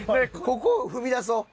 ここを踏み出そう。